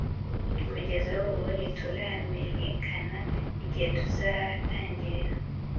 Kugeza ubu ntituramenyekana igihe tuzatangirira